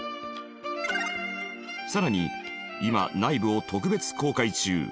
更に今内部を特別公開中。